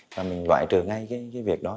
và mình loại trừ ngay cái việc đó